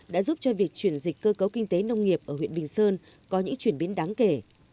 đã giúp cho việc chuyển dịch cơ cấu kinh tế nông nghiệp ở huyện bình sơn có những chuyển biến đáng kể